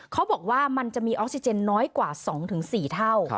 เขาบอกว่ามันจะมีออกซิเจนน้อยกว่า๒๔เท่า